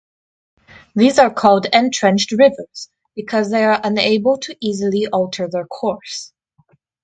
These are called entrenched rivers, because they are unable to easily alter their course.